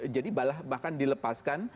jadi bahkan dilepaskan